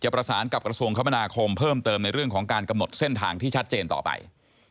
ประสานกับกระทรวงคมนาคมเพิ่มเติมในเรื่องของการกำหนดเส้นทางที่ชัดเจนต่อไป